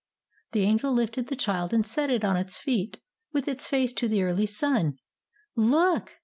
The Angel lifted the child, and set it on its feet, with its face to the early sun. "Look!"